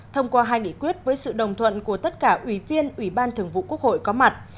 thông qua hai nghị quyết với sự đồng thuận của tất cả ủy viên ủy ban thường vụ quốc hội có mặt